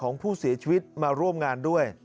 ของผู้เสียชีวิตมาร่วมงานด้วย